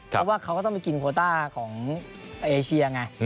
เพราะว่าก็ต้องกินโควต้าอาเซียไง